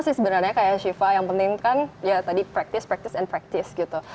tapi sebenarnya kayak shiva yang penting kan ya tadi practice practice and practice gitu